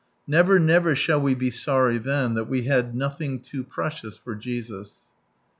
Never, never shall we he sorry then, that we had " Nothing too precious for Jesus."